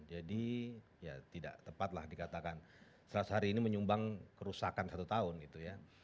jadi ya tidak tepat lah dikatakan seratus hari ini menyumbang kerusakan satu tahun gitu ya